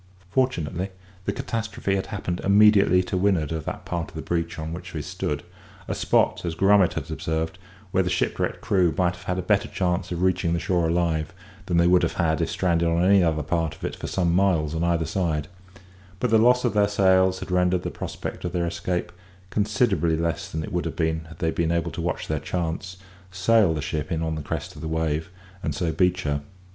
Fortunately, the catastrophe had happened immediately to windward of that part of the beach on which we stood; a spot, as Grummet had observed, where the shipwrecked crew would have a better chance of reaching the shore alive than they would have had if stranded on any other part of it for some miles on either side; but the loss of their sails had rendered the prospect of their escape considerably less than it would have been had they been able to watch their chance, sail the ship in on the crest of a wave, and so beach her.